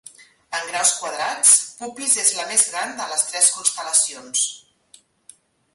En graus quadrats, Puppis és la més gran de les tres constel·lacions.